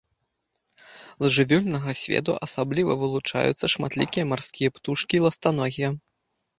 З жывёльнага свету асабліва вылучаюцца шматлікія марскія птушкі і ластаногія.